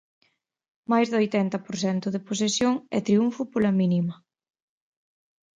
Máis do oitenta por cento de posesión e triunfo pola mínima.